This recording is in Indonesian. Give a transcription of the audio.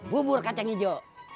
bubur kacang ijo